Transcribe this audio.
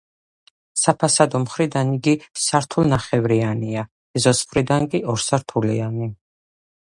საფასადო მხრიდან იგი სართულნახევრიანია, ეზოს მხრიდან კი ორსართულიანი.